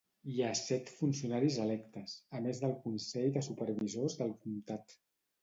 Hi ha set funcionaris electes, a més del Consell de Supervisors del Comtat.